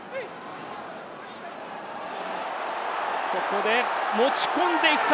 ここで、持ち込んでいくか？